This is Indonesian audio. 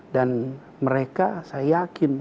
dan mereka saya yakin